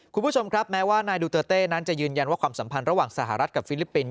คุณผู้ชมครับแม้ว่านายดูเตอร์เต้นั้นจะยืนยันว่าความสัมพันธ์ระหว่างสหรัฐกับฟิลิปปินส